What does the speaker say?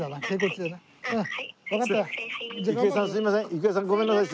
郁恵さんごめんなさい。